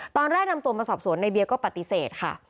นำตัวมาสอบสวนในเบียร์ก็ปฏิเสธค่ะ